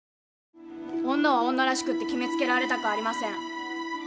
女は女らしくって決めつけられたくありません